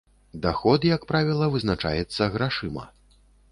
Даход, як правіла, вызначаецца грашыма.